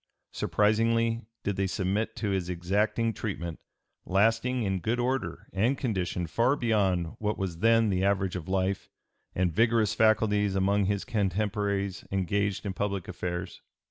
Surprisingly did they submit to his exacting treatment, lasting in good order and condition far beyond what was then the average of life and vigorous faculties among his contemporaries engaged in public affairs.